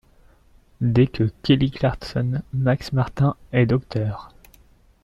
Dès que Kelly Clarkson, Max Martin et Dr.